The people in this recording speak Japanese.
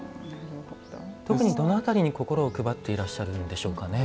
特にどの辺りに心を配ってらっしゃるんでしょうかね。